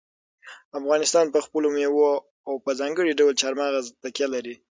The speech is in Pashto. افغانستان په خپلو مېوو او په ځانګړي ډول چار مغز تکیه لري.